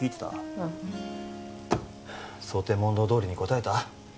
うん想定問答どおりに答えた？